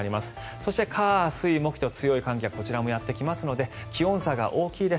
そして、火水木と強い寒気がこちらもやってきますので気温差が大きいです。